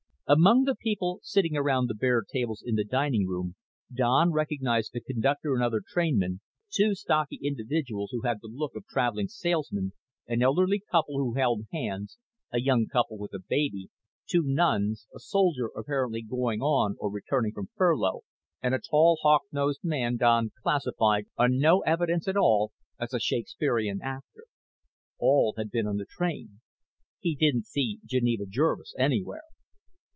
Among the people sitting around the bare tables in the dining room, Don recognized the conductor and other trainmen, two stocky individuals who had the look of traveling salesmen, an elderly couple who held hands, a young couple with a baby, two nuns, a soldier apparently going on or returning from furlough, and a tall, hawk nosed man Don classified on no evidence at all as a Shakespearean actor. All had been on the train. He didn't see Geneva Jervis anywhere.